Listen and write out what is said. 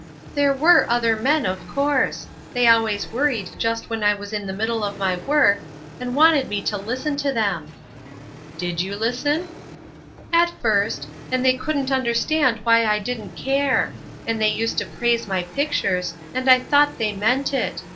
"There were other men, of course. They always worried just when I was in the middle of my work, and wanted me to listen to them." "Did you listen?" "At first; and they couldn't understand why I didn't care. And they used to praise my pictures; and I thought they meant it.